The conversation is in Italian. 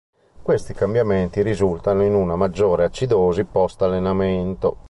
Questi cambiamenti risultano in una maggiore acidosi post-allenamento.